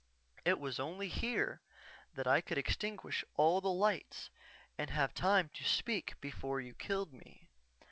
It was only here that I could extinguish all lights and have time to speak before you killed me.